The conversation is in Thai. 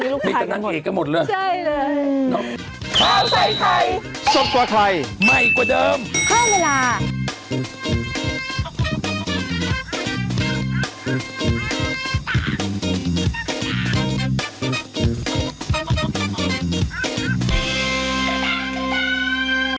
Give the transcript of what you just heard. รอดนี้ลูกไทยกันหมดใช่เลยมีแต่นางเอกกันหมดเลยน้อง